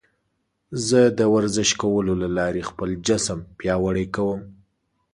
زه د ورزش کولو له لارې خپل جسم پیاوړی کوم.